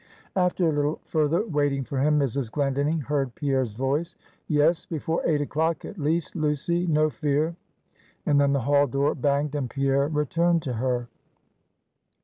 After a little further waiting for him, Mrs. Glendinning heard Pierre's voice "Yes, before eight o'clock at least, Lucy no fear;" and then the hall door banged, and Pierre returned to her.